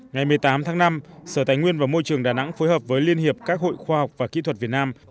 ngày một mươi tám tháng năm sở tài nguyên và môi trường đà nẵng phối hợp với liên hiệp các hội khoa học và kỹ thuật việt nam